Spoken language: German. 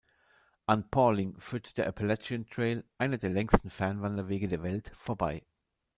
An Pawling führt der Appalachian Trail, einer der längsten Fernwanderwege der Welt, vorbei.